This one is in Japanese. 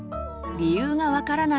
理由が分からない